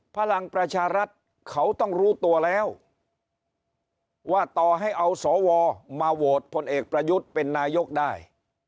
พลังประชารัฐเขาต้องรู้ตัวแล้วว่าต่อให้เอาสวมาโหวตพลเอกประยุทธ์เป็นนายกได้